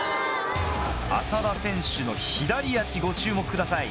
浅田選手の左足ご注目ください。